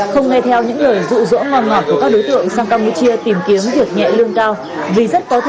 không nghe theo những lời rụ rỗ ngòm ngọt của các đối tượng sang campuchia tìm kiếm việc nhẹ lương cao